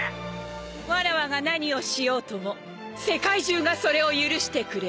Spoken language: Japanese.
わらわが何をしようとも世界中がそれを許してくれる。